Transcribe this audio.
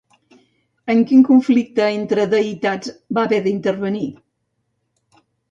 En quin conflicte entre deïtats va haver d'intervenir?